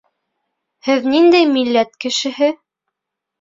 Һеҙ ниндәй милләт кешеһе?